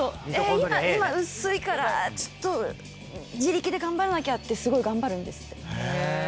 「今うっすいからちょっと自力で頑張らなきゃ」ってすごい頑張るんですって。